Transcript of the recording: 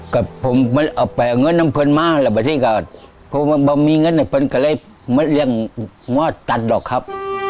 ก็ผมมันออกไปเอาเงินน้ำเพลินมากแล้วพอมีเงินน้ำเพลินก็เลยมาเรียงหัวตัดหรอกครับ